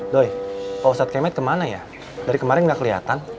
doy pak ustadz kemet kemana ya dari kemarin nggak kelihatan